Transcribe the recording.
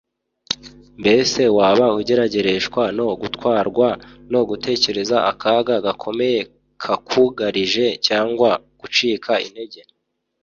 Mbese waba ugeragereshwa no gutwarwa no gutekereza akaga gakomeye kakugarije cyangwa gucika intege